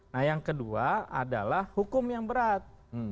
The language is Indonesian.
nah yang kedua adalah hukum yang berat